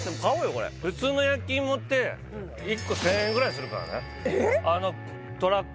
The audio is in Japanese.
これ普通の焼き芋って１個１０００円ぐらいするからねええっ！？